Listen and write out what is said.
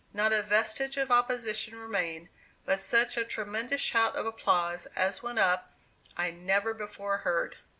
Not a vestige of opposition remained, but such a tremendous shout of applause as went up I never before heard.